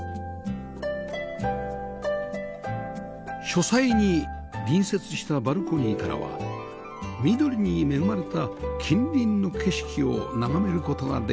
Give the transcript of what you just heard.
書斎に隣接したバルコニーからは緑に恵まれた近隣の景色を眺める事ができます